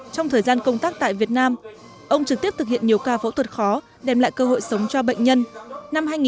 trong thời gian công tác tại việt nam ông trực tiếp thực hiện nhiều ca phẫu thuật khó đem lại cơ hội sống cho bệnh nhân